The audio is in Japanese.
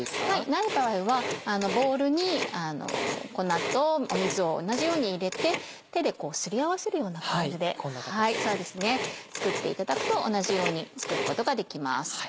ない場合はボウルに粉と水を同じように入れて手ですり合わせるような感じで作っていただくと同じように作ることができます。